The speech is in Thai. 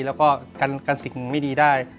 แล้วก็กันสิ่งไม่ดีได้